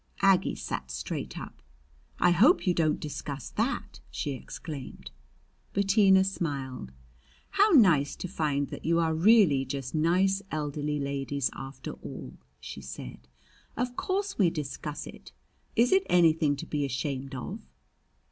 Aggie sat straight up. "I hope you don't discuss that!" she exclaimed. Bettina smiled. "How nice to find that you are really just nice elderly ladies after all!" she said. "Of course we discuss it. Is it anything to be ashamed of?"